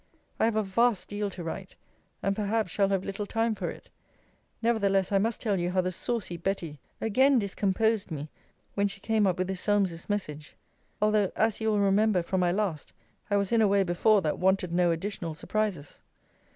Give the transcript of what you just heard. I have a vast deal to write; and perhaps shall have little time for it. Nevertheless, I must tell you how the saucy Betty again discomposed me, when she came up with this Solmes's message; although, as you will remember from my last, I was in a way before that wanted no additional surprises.